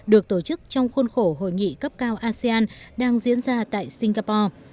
được tổ chức trong khuôn khổ hội nghị cấp cao asean đang diễn ra tại singapore